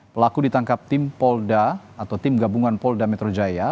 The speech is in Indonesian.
pelaku ditangkap tim polda atau tim gabungan polda metro jaya